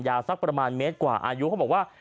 สักประมาณเมตรกว่าอายุเขาบอกว่า